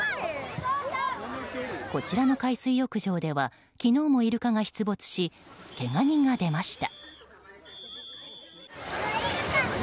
こちらの海水浴場では昨日もイルカが出没しけが人が出ました。